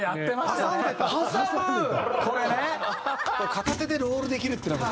片手でロールできるっていうのが。